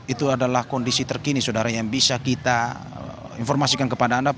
itu adalah kondisi terkini saudara yang bisa kita informasikan kepada anda